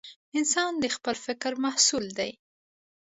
انسان د خپل فکر محصول دی.